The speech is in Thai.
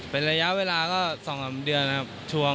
เป็นระยะเวลาก็๒๓เดือนครับ